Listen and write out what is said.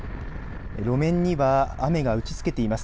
路面には雨が打ちつけています